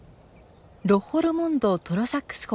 ロッホ・ロモンド＝トロサックス